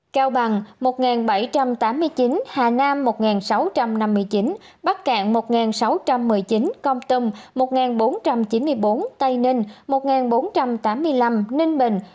cao bằng một bảy trăm tám mươi chín hà nam một sáu trăm năm mươi chín bắc cạn một sáu trăm một mươi chín công tâm một bốn trăm chín mươi bốn tây ninh một bốn trăm tám mươi năm ninh bình một tám trăm năm mươi